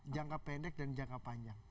jangka pendek dan jangka panjang